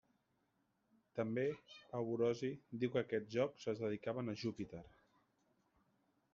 També Pau Orosi diu que aquests jocs es dedicaven a Júpiter.